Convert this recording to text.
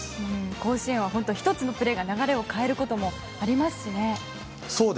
甲子園は１つのプレーが流れを変えることもありますしね。